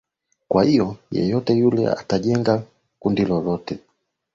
kwa hivo yeyote ule atakaejenga kundi lolote